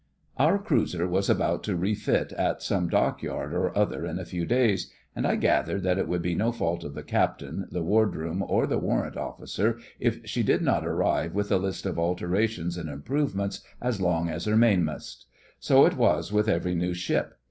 Our cruiser was about to refit at some Dockyard or other in a few days, and I gathered that it would be no fault of the Captain, the Ward room or the warrant officers if she did not arrive with a list of alterations and improvements as long as her mainmast. So it is with every new ship.